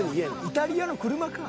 イタリアの車か！